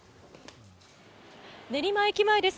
練馬駅前です。